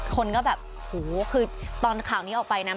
คนก็แบบหูคือตอนข่าวนี้ออกไปนะ